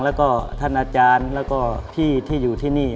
แล้วก็ท่านอาจารย์แล้วก็พี่ที่อยู่ที่นี่